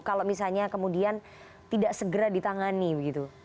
kalau misalnya kemudian tidak segera ditangani begitu